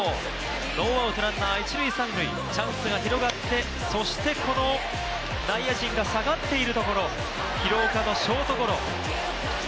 ノーアウトランナー、一・三塁チャンスが広がって、そしてこの内野陣が下がっているところ、廣岡のショートゴロ。